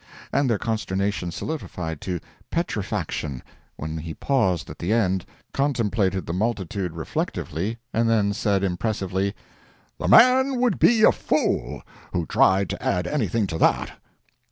And their consternation solidified to petrifaction when he paused at the end, contemplated the multitude reflectively, and then said impressively: "The man would be a fool who tried to add anything to that.